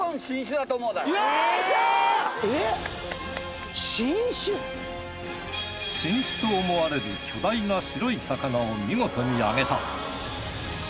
新種と思われる巨大な白い魚を見事にあげた。